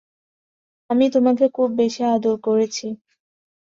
আমি তোমাকে খুব বেশি আদর করেছি।